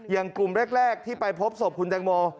กลุ่มแรกที่ไปพบศพคุณแตงโม